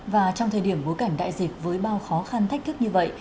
và trong thời điểm bối cảnh đại dịch với bao khó khăn thách thức như vậy